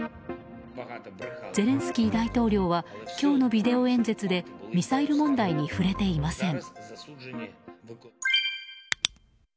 ゼレンスキー大統領は今日のビデオ演説でミサイル問題について触れていません。